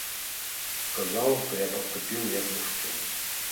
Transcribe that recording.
Сказаў, што я паступіў, як мужчына.